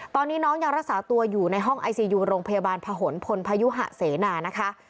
ตอนนี้น้องยังรักษาตัวอยู่ในห้องไอซียูโรงพยาบาลผนพลพยุหะเสนานะคะ